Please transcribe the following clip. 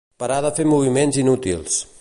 Para de fer moviments inútils.